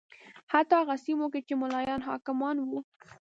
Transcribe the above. حتی هغه سیمو کې چې ملایان حاکمان و